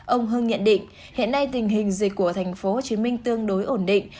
ông hưng nhận định hiện nay tình hình dịch của tp hcm tương đối ổn định